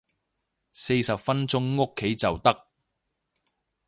四十分鐘屋企就得